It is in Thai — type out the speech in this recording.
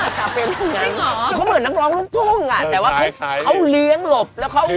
ราชาเฟนอย่างงั้นเขาเหมือนนักร้องลูกตรงอะแต่ว่าเขาเลี้ยงล่ะแล้วเขา